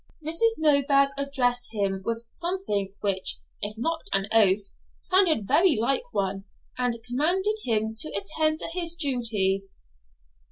Mrs. Nosebag addressed him with something which, if not an oath, sounded very like one, and commanded him to attend to his duty.